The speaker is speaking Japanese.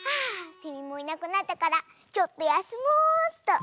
セミもいなくなったからちょっとやすもうっと。